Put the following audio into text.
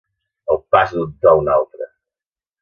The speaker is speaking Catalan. El pas d'un to a un altre.